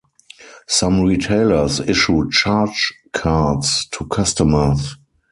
Some retailers issue charge cards to customers.